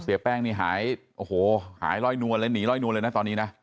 เสียแป้งหายล้อยนวลเลยนะ